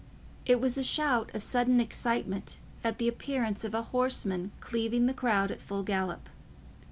It was a shout of sudden excitement at the appearance of a horseman cleaving the crowd at full gallop.